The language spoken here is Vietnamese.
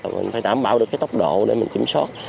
mình phải đảm bảo được cái tốc độ để mình kiểm soát